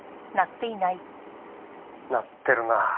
鳴ってるな。